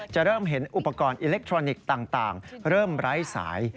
จะเริ่มเห็นอุปกรณ์อิเล็กทรอนิกส์ต่างเริ่มไร้สาย